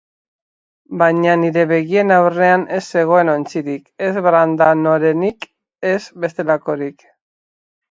Baina nire begien aurrean ez zegoen ontzirik, ez Brandanorenik ez bestelakorik.